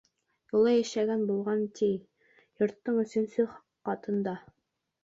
Юлай йәшәгән булған, ти, йорттоң өсөнсө ҡатында.